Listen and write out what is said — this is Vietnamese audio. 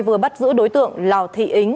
vừa bắt giữ đối tượng lào thị ính